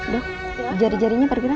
duh jari jarinya paruh paruh